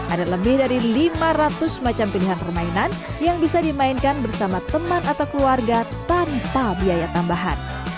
ada lebih dari lima ratus macam pilihan permainan yang bisa dimainkan bersama teman atau keluarga tanpa biaya tambahan